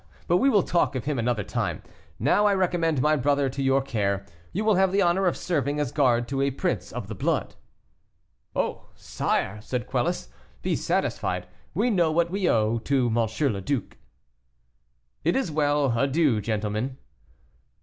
But we will talk of him another time; now I recommend my brother to your care; you will have the honor of serving as guard to a prince of the blood." "Oh! sire," said Quelus, "be satisfied; we know what we owe to M. le Duc." "It is well; adieu, gentlemen."